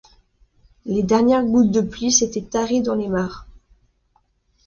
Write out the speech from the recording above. Les dernières gouttes de pluie s’étaient taries dans les mares.